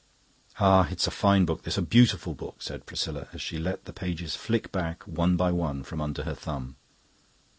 "Ah, it's a fine book this, a beautiful book," said Priscilla, as she let the pages flick back, one by one, from under her thumb.